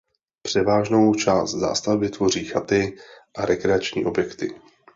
Převážnou část zástavby tvoří chaty a rekreační objekty.